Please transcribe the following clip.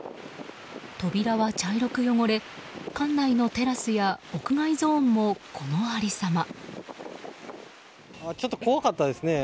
扉は茶色く汚れ、館内のテラスや屋外ゾーンもこのありさま。